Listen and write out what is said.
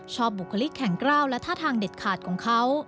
บุคลิกแข็งกล้าวและท่าทางเด็ดขาดของเขา